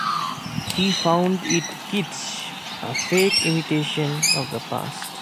He found it "kitsch, a fake imitation of the past".